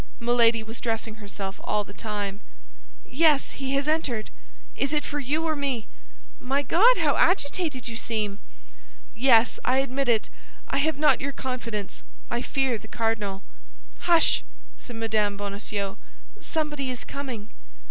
_" Milady was dressing herself all the time. "Yes, he has entered." "It is for you or me!" "My God, how agitated you seem!" "Yes, I admit it. I have not your confidence; I fear the cardinal." "Hush!" said Mme. Bonacieux; "somebody is coming."